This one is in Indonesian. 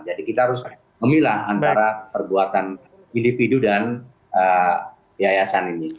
jadi kita harus memilah antara perbuatan individu dan piayasan ini